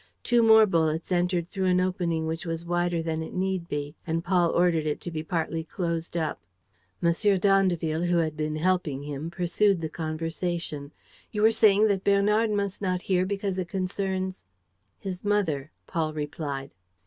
Two more bullets entered through an opening which was wider than it need be; and Paul ordered it to be partly closed up. M. d'Andeville, who had been helping him, pursued the conversation: "You were saying that Bernard must not hear because it concerns. ..." "His mother," Paul replied.